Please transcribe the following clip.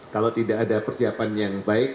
kalau tidak ada persiapan yang baik